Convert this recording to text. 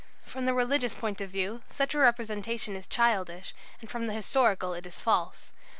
From the religious point of view such a representation is childish; from the historical it is false.